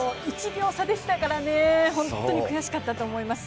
１秒差でしたから、本当に悔しかったと思います。